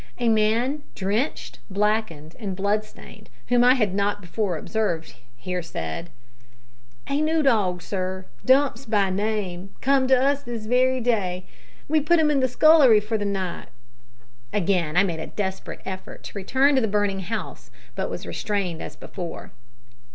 A man, drenched, blackened, and bloodstained, whom I had not before observed, here said "A noo dog, sir, Dumps by name, come to us this wery day. We putt 'im in the scullery for the night." Again I made a desperate effort to return to the burning house, but was restrained as before.